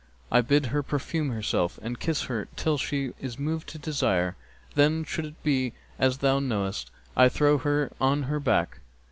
'I bid her perfume herself and kiss her till she is moved to desire; then, should it be as thou knowest,[FN#271] I throw her on her back.